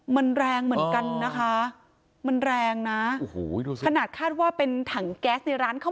มันแรงเหมือนกันนะคะมันแรงนะโอ้โหดูสิขนาดคาดว่าเป็นถังแก๊สในร้านเขา